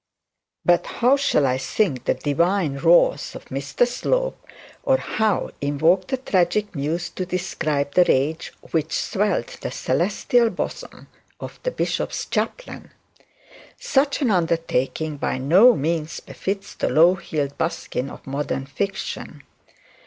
But how shall I sing the divine wrath of Mr Slope, or how invoke the tragic muse to describe the rage which swelled the celestial bosom of the bishop's chaplain? Such an undertaking by no means befits the low heeled buskin of modern fiction.